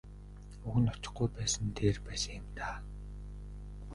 Уг нь очихгүй байсан нь дээр байсан юм даа.